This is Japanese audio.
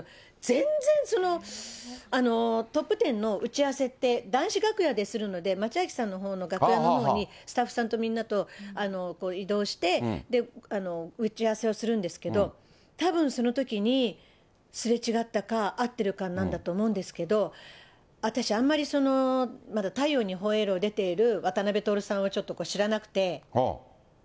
全然その、トップテンの打ち合わせって、男子楽屋でするので、さんの楽屋のほうに、スタッフさんとみんなと移動して、打ち合わせをするんですけど、たぶんそのときに、すれ違ったか、会ってるかなんだと思うんですけど、私あんまり、なんか太陽にほえろ！に出ている、渡辺徹さんはちょっと知らなくて。